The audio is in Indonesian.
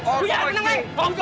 aku yang cintakan